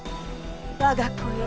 我が子よ。